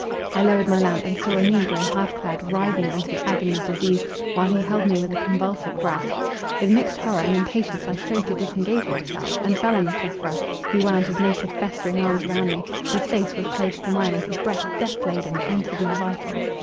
I lowered my lamp, and saw a negro half clad, writhing under the agony of disease, while he held me with a convulsive grasp. With mixed horror and impatience I strove to disengage myself, and fell on the sufferer; he wound his naked festering arms round me, his face was close to mine, and his breath, death laden, entered my vitals.